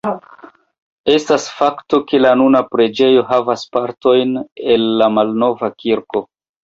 Estas fakto, ke la nuna preĝejo havas partojn el la malnova kirko.